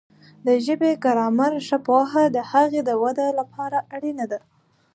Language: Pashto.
د ژبې د ګرامر ښه پوهه د هغې د وده لپاره اړینه ده.